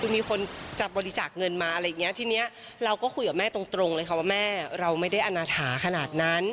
คือมีคนจะบริจาคเงินมาอะไรอย่างเงี้ทีนี้เราก็คุยกับแม่ตรงเลยค่ะว่าแม่เราไม่ได้อนาถาขนาดนั้น